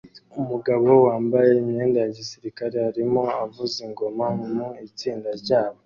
Umugabo wambaye imyenda ya gisirikare arimo avuza ingoma mu itsinda ryabo